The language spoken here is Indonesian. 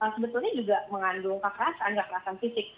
sebetulnya juga mengandung kekerasan kekerasan fisik